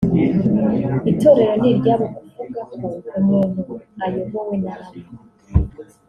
Itorero ni iryabo kuvuga ko umuntu ayobowe nabi